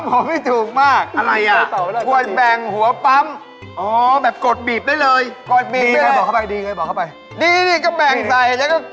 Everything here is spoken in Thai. ของผมนี่ก็ใช้ได้บอกเขา